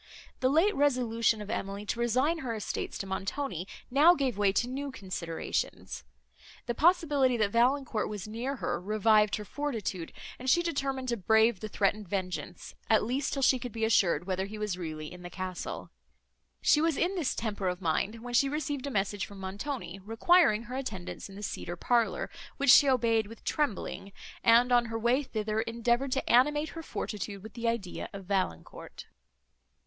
The late resolution of Emily to resign her estates to Montoni, now gave way to new considerations; the possibility, that Valancourt was near her, revived her fortitude, and she determined to brave the threatened vengeance, at least, till she could be assured whether he was really in the castle. She was in this temper of mind, when she received a message from Montoni, requiring her attendance in the cedar parlour, which she obeyed with trembling, and, on her way thither, endeavoured to animate her fortitude with the idea of Valancourt.